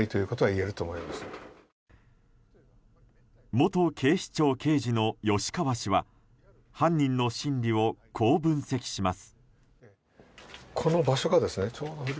元警視庁刑事の吉川氏は犯人の心理をこう分析します。